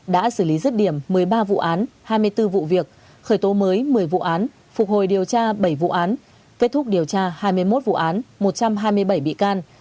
đã xử lý rứt điểm một mươi ba vụ án hai mươi bốn vụ việc khởi tố mới một mươi vụ án phục hồi điều tra bảy vụ án kết thúc điều tra hai mươi một vụ án một trăm hai mươi bảy bị can